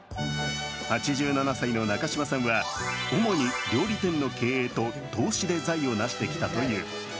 ８７歳の中嶋さんは主に料理店の経営と、投資で財をなしてきたという。